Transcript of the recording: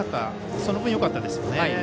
その分、よかったですね。